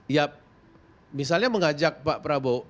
ya misalnya mengajak pak prabowo